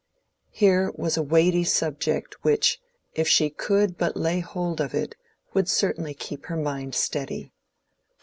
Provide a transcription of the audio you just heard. Here was a weighty subject which, if she could but lay hold of it, would certainly keep her mind steady.